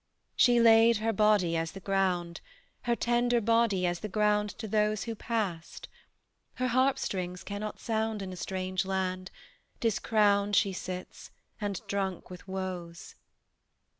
"She laid her body as the ground, Her tender body as the ground to those Who passed; her harpstrings cannot sound In a strange land; discrowned She sits, and drunk with woes."